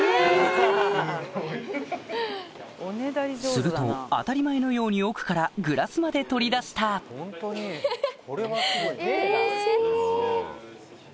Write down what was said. すると当たり前のように奥からグラスまで取り出したハハハ！